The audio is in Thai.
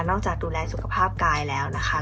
จากดูแลสุขภาพกายแล้วนะคะ